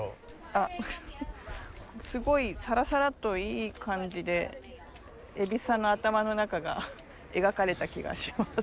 あっすごいサラサラッといい感じで蛭子さんの頭の中が描かれた気がします。